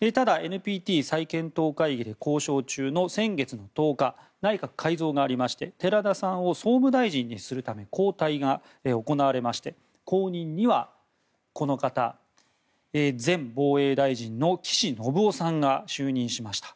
ただ、ＮＰＴ再検討会議で交渉中の先月の１０日内閣改造がありまして寺田さんを総務大臣にするため交代が行われまして後任には前防衛大臣の岸信夫さんが就任しました。